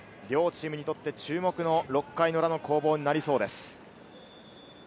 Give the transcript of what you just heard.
両チームにとって注目の６回裏の攻防になりそうです。